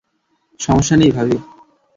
সমস্যা নেই, ভাবি।